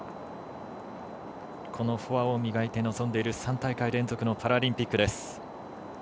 このフォアを磨いて臨んでいる３大会連続のパラリンピックです。